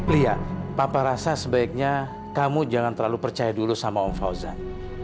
lia papa rasa sebaiknya kamu jangan terlalu percaya dulu sama om fauzan